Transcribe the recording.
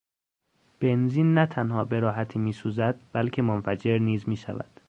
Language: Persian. بنزین نه تنها به راحتی میسوزد بلکه منفجر نیز میشود.